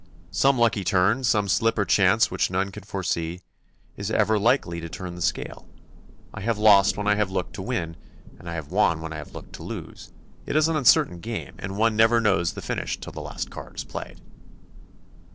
'Some lucky turn, some slip or chance which none can foresee, is ever likely to turn the scale. I have lost when I have looked to win, and I have won when I have looked to lose. It is an uncertain game, and one never knows the finish till the last card is played.